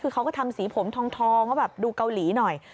คือเขาก็ทำสีผมทองว่าแบบดูเกาหลีหน่อย